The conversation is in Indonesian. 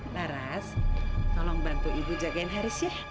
nah ras tolong bantu ibu jagain haris ya